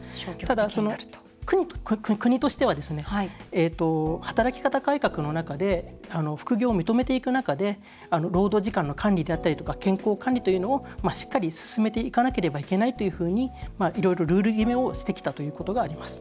ただ、国としては働き方改革の中で副業を認めていく中で労働時間の管理であったりとか健康管理というのをしっかり進めていかなければいけないというふうにいろいろルール決めをしてきたということがあります。